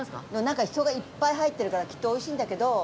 なんか人がいっぱい入ってるからきっと美味しいんだけど。